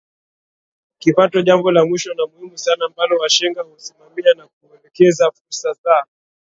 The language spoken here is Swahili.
kipatoJambo la mwisho na muhimu sana ambalo washenga husimamia ni kuelekeza fursa za